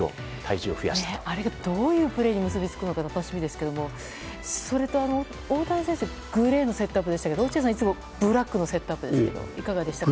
あれがどういうプレーに結びつくのか楽しみですけどもそれと、大谷選手はグレーのセットアップでしたが落合さん、いつもブラックのセットアップでしたがいかがでしたか？